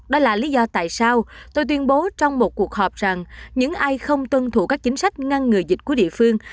đó là lý do tại sao tôi tuyên bố trong một cuộc họp rằng những ai không tuân thủ các chính sách ngăn ngừa dịch của địa phương